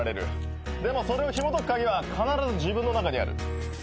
でもそれをひもとく鍵は必ず自分の中にある。